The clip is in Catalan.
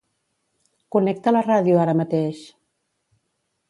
Connecta la ràdio ara mateix.